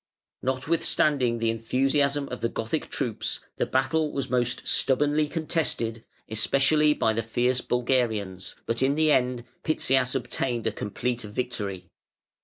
Notwithstanding the enthusiasm of the Gothic troops, the battle was most stubbornly contested, especially by the fierce Bulgarians, but in the end Pitzias obtained a complete victory.